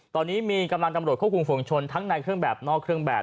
ตอนนี้มีกำลังตำรวจควบคุมฝุงชนทั้งในเครื่องแบบนอกเครื่องแบบ